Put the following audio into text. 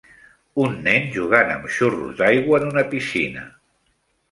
Un nen jugant amb xurros d'aigua en una piscina.